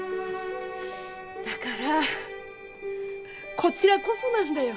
だからこちらこそなんだよ！